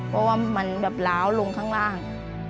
เพราะว่ามันแบบล้าวลงข้างล่าง